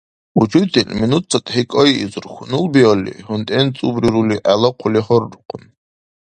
Учитель минутцадхӀи кӀайизур, хьунул биалли, хӀунтӀен-цӀубрирули, гӀела хъули гьаррухъун.